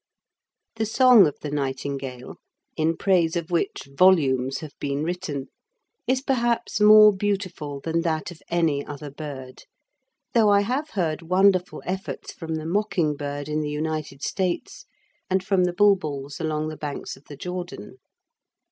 The song of the nightingale, in praise of which volumes have been written, is perhaps more beautiful than that of any other bird, though I have heard wonderful efforts from the mocking bird in the United States and from the bulbuls along the banks of the Jordan.